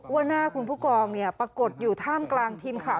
ว่าหน้าคุณผู้กองปรากฏอยู่ท่ามกลางทีมข่าว